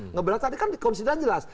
ngeberantasan tadi kan di komisi tidak jelas